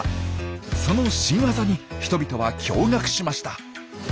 その新ワザに人々は驚がくしました。